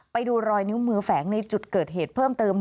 ไปดูรอยนิ้วมือแฝงในจุดเกิดเหตุเพิ่มเติม